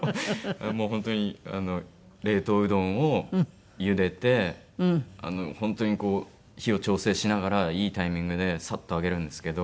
本当に冷凍うどんをゆでて本当にこう火を調整しながらいいタイミングでサッと上げるんですけど。